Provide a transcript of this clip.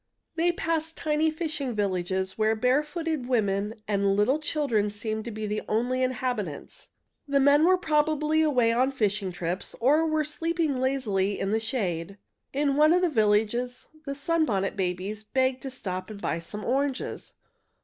They passed tiny fishing villages where barefooted women and little children seemed to be the only inhabitants. The men were probably away on fishing trips, or were sleeping lazily in the shade. In one of the villages the Sunbonnet Babies begged to stop and buy some oranges.